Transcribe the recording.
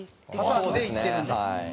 挟んで行ってるんだ。